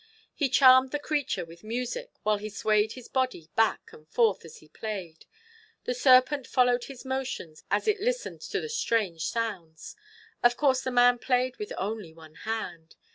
"He charmed the creature with music, while he swayed his body back and forth as he played. The serpent followed his motions as it listened to the strange sounds. Of course the man played with only one hand.